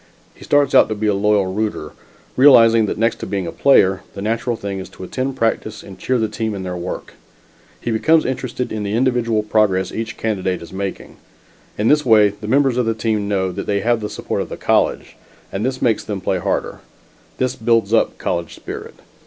He starts out to be a loyal rooter, realizing that next to being a player, the natural thing is to attend practice and cheer the team in their work; he becomes interested in the individual progress each candidate is making. In this way, the members of the team know that they have the support of the college, and this makes them play harder. This builds up college spirit.